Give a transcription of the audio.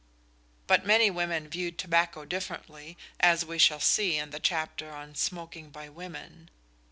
But many women viewed tobacco differently, as we shall see in the chapter on "Smoking by Women."